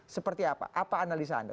seperti apa apa analisa anda